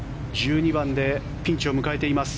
１２番でピンチを迎えています。